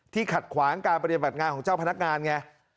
ขัดขวางการปฏิบัติงานของเจ้าพนักงานไง